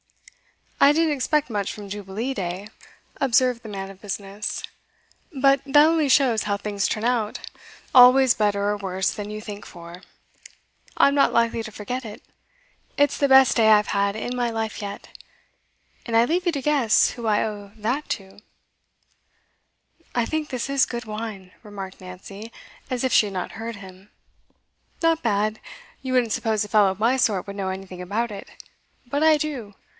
'I didn't expect much from Jubilee Day,' observed the man of business, 'but that only shows how things turn out always better or worse than you think for. I'm not likely to forget it; it's the best day I've had in my life yet, and I leave you to guess who I owe that to.' 'I think this is good wine,' remarked Nancy, as if she had not heard him. 'Not bad. You wouldn't suppose a fellow of my sort would know anything about it. But I do.